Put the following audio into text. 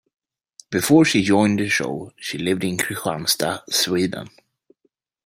Before she joined the show she lived in Kristianstad, Sweden.